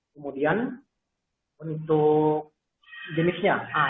kemudian untuk jenisnya